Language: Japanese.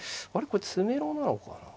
これ詰めろなのかな。